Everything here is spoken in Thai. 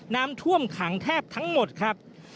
น้ำท่วมขังแทบทั้งหมดครับ